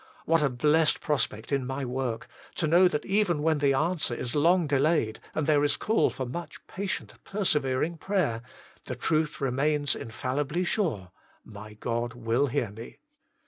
What a blessed prospect in my work to know that even, when the 152 THE MINISTRY OF INTERCESSION answer is long delayed, and there is a call for much patient, persevering prayer, the truth remains infallibly sure " My God will hear me